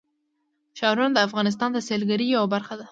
ښارونه د افغانستان د سیلګرۍ یوه برخه ده.